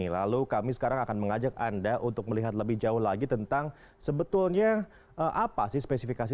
lalu kami sekarang akan mengajak anda untuk melihat lebih jauh lagi tentang sebetulnya apa sih spesifikasi